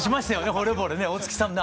ほれぼれね大月さんね